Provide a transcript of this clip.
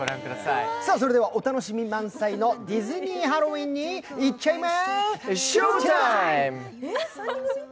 それではお楽しみ満載のディズニーハロウィーンに行っちゃいまＳＨＯＷＴＩＭＥ！